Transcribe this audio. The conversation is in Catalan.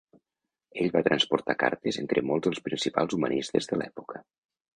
Ell va transportar cartes entre molts dels principals humanistes de l'època.